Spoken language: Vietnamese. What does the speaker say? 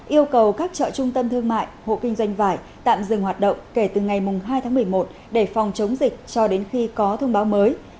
yêu cầu các chợ trung tâm thương mại hộ kinh doanh vải tạm dừng hoạt động kể từ ngày hai tháng một mươi một để phòng chống dịch cho đến khi có thông báo mới